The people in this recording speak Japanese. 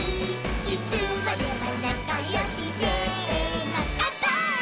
「いつまでもなかよしせーのかんぱーい！！」